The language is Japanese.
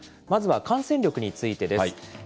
まずは感染力についてです。